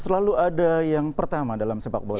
selalu ada yang pertama dalam sepak bola